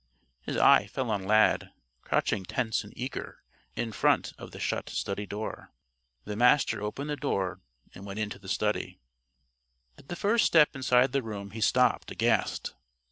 His eye fell on Lad, crouching tense and eager in front of the shut study door. The Master opened the door and went into the study. At the first step inside the room he stopped, aghast.